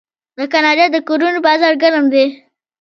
د کاناډا د کورونو بازار ګرم دی.